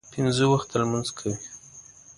پنځه وخته لمونځ کوي.